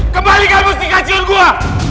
kembalikan mustikasion gua